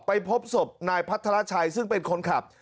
พบศพนายพัฒนาชัยซึ่งเป็นคนขับ